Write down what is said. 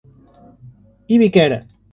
Ibiquera